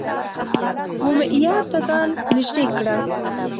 و معیار ته ځان نژدې کړه